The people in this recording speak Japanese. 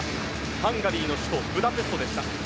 ハンガリーの首都ブダペストでした。